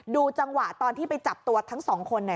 ดูจังหวะตอนที่ไปจับตัวทั้งสองคน